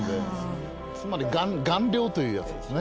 つまり顔料というやつですね。